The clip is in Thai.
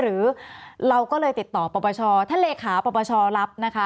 หรือเราก็เลยติดต่อปปชท่านเลขาปรปชรับนะคะ